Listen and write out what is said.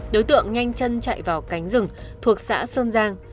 đối tượng nhanh chân chạy vào cánh rừng thuộc xã sơn giang